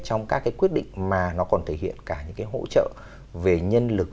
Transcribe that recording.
trong các cái quyết định mà nó còn thể hiện cả những cái hỗ trợ về nhân lực